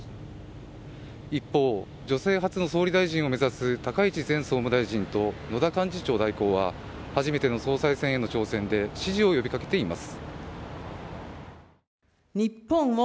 一方、女性初の総理大臣を目指す高市前総務大臣と野田幹事長代行は初めての総裁選への挑戦で支持を呼びかけています。